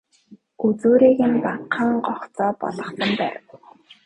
Үзүүрийг нь багахан гогцоо болгосон байв.